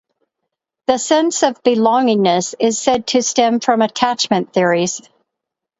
The sense of belongingness is said to stem from attachment theories.